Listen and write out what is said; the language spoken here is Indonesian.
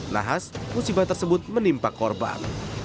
nahas musibah tersebut menimpa korban